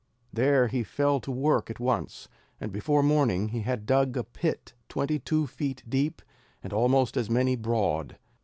There he fell to work at once, and before morning he had dug a pit twenty two feet deep, and almost as many broad.